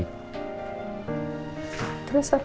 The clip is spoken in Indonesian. terus apa aja yang udah siap